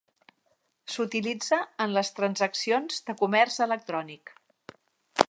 S'utilitza en les transaccions de comerç electrònic.